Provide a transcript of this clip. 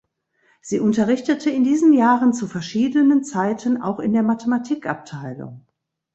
Sie unterrichtete in diesen Jahren zu verschiedenen Zeiten auch in der Mathematikabteilung.